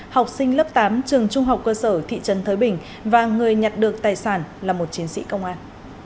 học sinh lớp tám trường trung học cơ sở thị trấn thới bình và người nhặt được tài sản là một chiến sĩ công an